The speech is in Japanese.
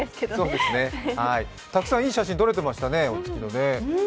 たくさんいい写真、撮れてましたね